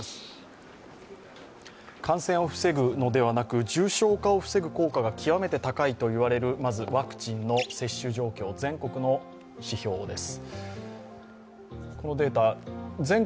感染を防ぐのではなく、重症化を防ぐ効果が極めて高いと言われるワクチンの接種状況、全国の指標です。